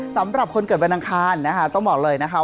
สำหรับคนเกิดวันอังคารนะคะต้องบอกเลยนะคะ